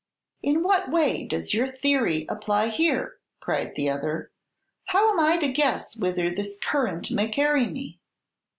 "In what way does your theory apply here?" cried the other. "How am I to guess whither this current may carry me?"